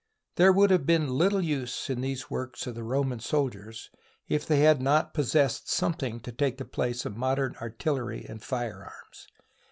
There would have been little use in these works of the Roman soldiers if they had not possessed something to take the place of modern artillery and firearms.